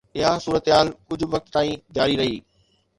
اها صورتحال ڪجهه وقت تائين جاري رهي.